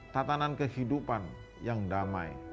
tatanan kehidupan yang damai